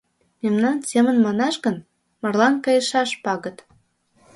Мемнан семын манаш гын, марлан кайышаш пагыт.